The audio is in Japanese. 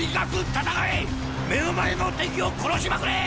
目の前の敵を殺しまくれェ！